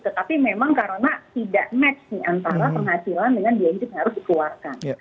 tetapi memang karena tidak match nih antara penghasilan dengan diet yang harus dikeluarkan